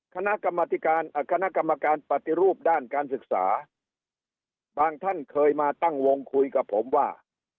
คณะกรรมการปฏิรูปด้านการศึกษาบางท่านเคยมาตั้งวงคุยกับผมว่า